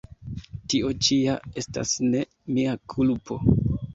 Tio ĉi ja estas ne mia kulpo!